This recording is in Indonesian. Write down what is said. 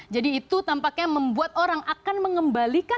jadi itu tampaknya membuat orang akan mengembangkan